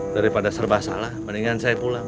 daripada serba salah mendingan saya pulang